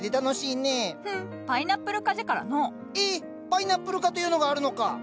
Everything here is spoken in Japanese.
パイナップル科というのがあるのか！